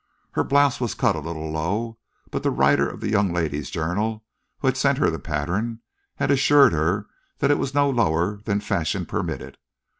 Her blouse was cut a little low, but the writer of the young ladies' journal, who had sent her the pattern, had assured her that it was no lower than fashion permitted.